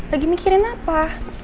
lagi mikirin apa